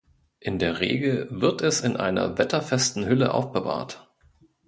In der Regel wird es in einer wetterfesten Hülle aufbewahrt.